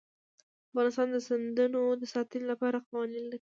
افغانستان د سیندونه د ساتنې لپاره قوانین لري.